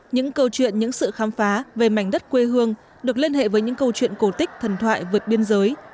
những câu chuyện những sự khám phá về mảnh đất quê hương được liên hệ với những câu chuyện cổ tích thần thoại vượt biên giới